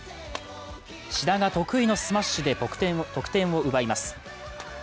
志田が得意のスマッシュで得点を奪います。